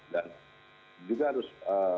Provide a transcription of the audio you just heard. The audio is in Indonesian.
dan juga harus